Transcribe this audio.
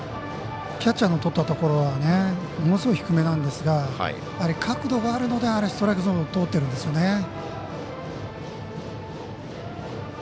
キャッチャーのとったところはものすごい低めなんですが角度があるのでストライクゾーン通ってるんですよね。